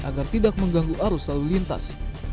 agar tidak mengganggu arus lalu lintas